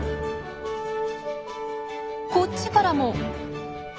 こっちからも！